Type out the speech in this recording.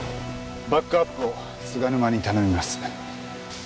バックアップを菅沼に頼みます。